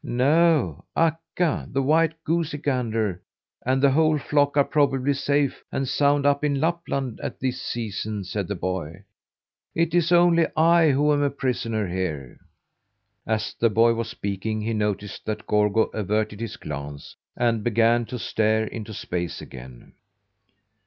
"No; Akka, the white goosey gander, and the whole flock are probably safe and sound up in Lapland at this season," said the boy. "It's only I who am a prisoner here." As the boy was speaking he noticed that Gorgo averted his glance, and began to stare into space again.